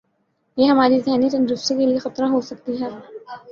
یہ ہماری ذہنی تندرستی کے لئے خطرہ ہوسکتی ہے